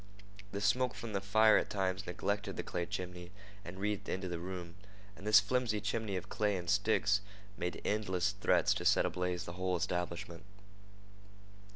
The smoke from the fire at times neglected the clay chimney and wreathed into the room, and this flimsy chimney of clay and sticks made endless threats to set ablaze the whole establishment.